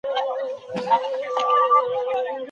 اړتیا انسان هر کار ته اړ کوي.